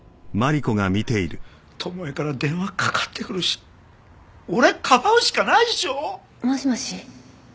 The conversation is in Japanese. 巴から電話かかってくるし俺かばうしかないっしょ？もしもし？